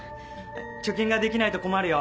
貯金ができないと困るよ。